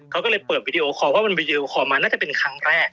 เขาก็เลยเปิดวิดีโอคอลว่ามันไปดีโอคอลมาน่าจะเป็นครั้งแรก